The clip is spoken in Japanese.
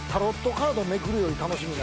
カードめくるより楽しみな。